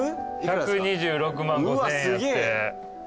１２６万５，０００円やって。